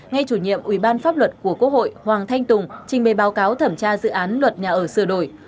ngay chủ nhiệm ủy ban pháp luật của quốc hội hoàng thanh tùng trình bày báo cáo thẩm tra dự án luật nhà ở sửa đổi